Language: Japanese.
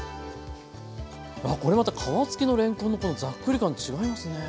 これまた皮付きのれんこんのこのザックリ感違いますね。